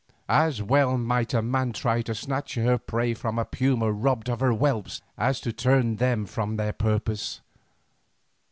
As well might a man try to snatch her prey from a puma robbed of her whelps, as to turn them from their purpose.